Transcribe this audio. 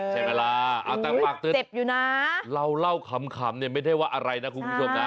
ใช่ไหมล่ะเอาตั้งปากตึ๊ดเราเล่าคำไม่ได้ว่าอะไรนะคุณผู้ชมนะ